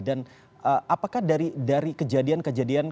dan apakah dari kejadian kejadian itu